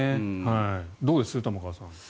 どうです、玉川さん。